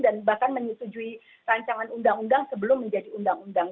dan bahkan menyetujui rancangan undang undang sebelum menjadi undang undang